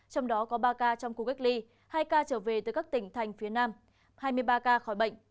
trong đó có ba ca trong khu cách ly hai ca trở về từ các tỉnh thành phía nam hai mươi ba ca khỏi bệnh